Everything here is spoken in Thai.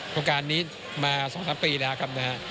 โครงการนี้มา๒๓ปีแล้วครับนะฮะ